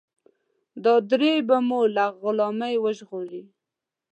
دا درې به مو له غلامۍ وژغوري.